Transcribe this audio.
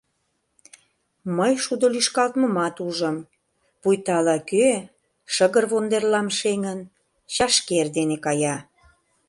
Мый шудо лӱшкалтмымат ужым, пуйто ала-кӧ, шыгыр вондерлам шеҥын, чашкер дене кая.